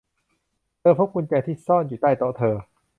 เธอพบกุญแจที่ซ่อนอยู่ใต้โต๊ะเธอ